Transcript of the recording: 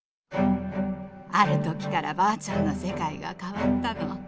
「ある時からばあちゃんの世界が変わったの。